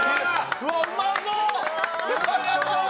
うわうまそう！